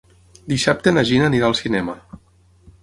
Dissabte na Gina anirà al cinema.